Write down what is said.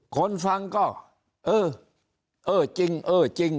คนฟังก็เออเออจริงเออจริง